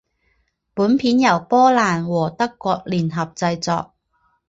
本片由波兰和德国联合制作。